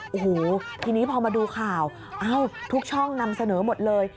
โอ้โหทีนี้พอมาดูข่าวทุกช่องนำเสนอหมดเลย